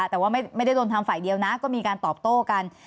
แต่ว่าไม่ได้โดนทำฝ่ายเดียวนะก็มีการตอบโต้กัน